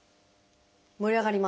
盛り上がります。